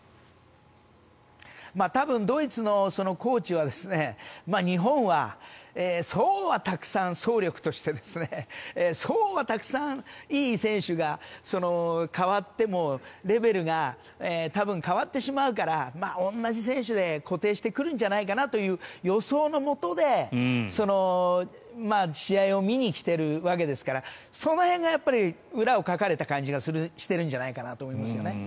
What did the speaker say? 多分、ドイツのコーチは日本はそうはたくさん総力としてそうはたくさんいい選手が代わってもレベルが多分変わってしまうから同じ選手で固定してくるんじゃないかなという予想のもとで試合を見に来ているわけですからそこら辺が裏をかかれた感じがしているんじゃないかと思いますね。